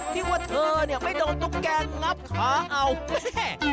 ที่ว่าเธอเนี่ยไม่โดนตุ๊กแกงับขาเอาแม่